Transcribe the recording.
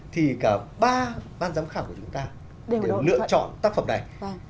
thì cả ba ban giám khảo của chúng ta lựa chọn tác phẩm này